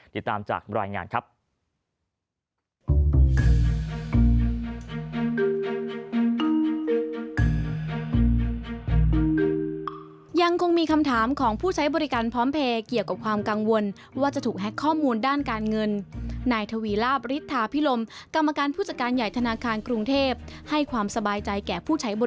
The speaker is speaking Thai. ติดตามจากรายงานครับ